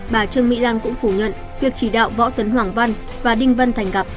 bà trương mỹ lan cũng phủ nhận việc chỉ đạo võ tấn hoàng văn và đinh văn thành gặp